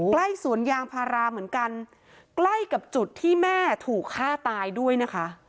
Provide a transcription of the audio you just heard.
ใกล้สวนยางพาราเหมือนกันใกล้กับจุดที่แม่ถูกฆ่าตายด้วยนะคะ